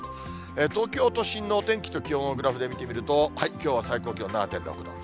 東京都心の天気と気温をグラフで見てみると、きょうは最高気温７．６度。